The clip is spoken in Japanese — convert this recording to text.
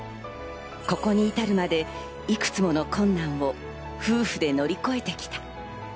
ここに至るまで、いくつもの困難を夫婦で乗り越えてきた。